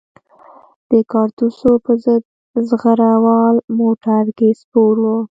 د کارتوسو په ضد زغره وال موټر کې سپور وو.